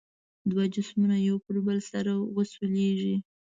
دوه جسمونه یو پر بل سره وسولیږي.